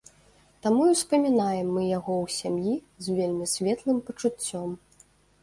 Таму і ўспамінаем мы яго ў сям'і з вельмі светлым пачуццём.